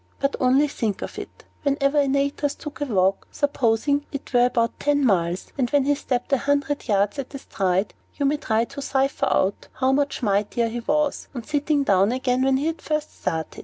But only think of it! Whenever Antaeus took a walk, supposing it were but ten miles, and that he stepped a hundred yards at a stride, you may try to cipher out how much mightier he was, on sitting down again, than when he first started.